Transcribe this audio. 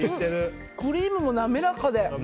クリームも滑らかで。